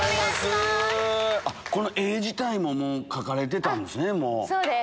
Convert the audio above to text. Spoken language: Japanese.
この絵自体も描かれてたんですね。